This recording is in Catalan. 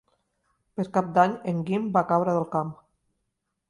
Per Cap d'Any en Guim va a Cabra del Camp.